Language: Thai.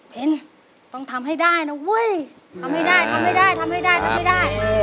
เป็นต้องทำให้ได้นะเว้ยทำให้ได้ทำให้ได้ทำให้ได้ทำไม่ได้